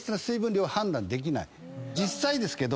実際ですけど。